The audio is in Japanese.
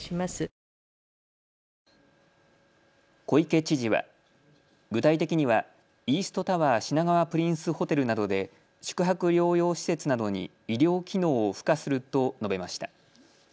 小池知事は具体的にはイーストタワー品川プリンスホテルなどで宿泊療養施設などに医療機能を付加すると述べました。